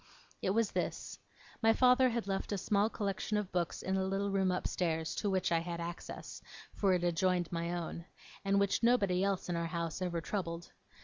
It was this. My father had left a small collection of books in a little room upstairs, to which I had access (for it adjoined my own) and which nobody else in our house ever troubled.